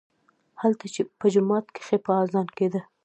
هلته په جومات کښې به اذان کېده.